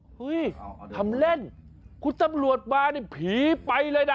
เฮ้ยทำเล่นคุณตำรวจมานี่ผีไปเลยนะ